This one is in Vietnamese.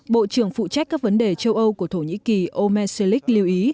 bộ trưởng phụ trách các vấn đề châu âu của thổ nhĩ kỳ ome selig lưu ý